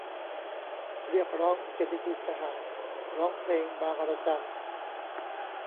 เรียกร้องเกียรติภูมิทหาร ร้องเพลงบางระจัน